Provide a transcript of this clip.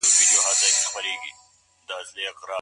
نامعلوم شیان باید خلګو ته روښانه سي.